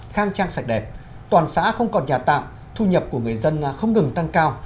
khang trang sạch đẹp toàn xã không còn nhà tạm thu nhập của người dân không ngừng tăng cao